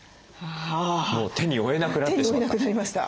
もう手に負えなくなってしまった。